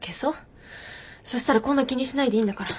そしたらこんな気にしないでいいんだから。